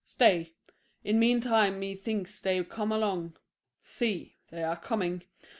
Stay; in mean time me thinks they come along: See, they are coming.